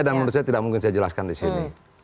dan menurut saya tidak mungkin saya jelaskan disini